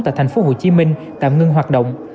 tại tp hcm tạm ngưng hoạt động